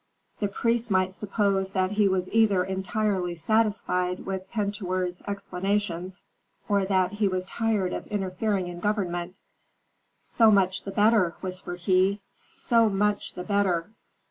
The priests might suppose that he was either entirely satisfied with Pentuer's explanations, or that he was tired of interfering in government. "So much the better!" whispered he. "So much the better!"